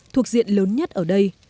thuộc diện lớn nhất ở đây